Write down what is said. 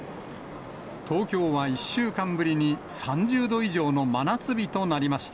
東京は１週間ぶりに３０度以上の真夏日となりました。